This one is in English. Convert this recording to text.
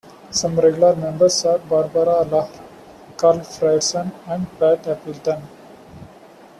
Some regular members are Barbara Lahr, Karl Frierson and Pat Appleton.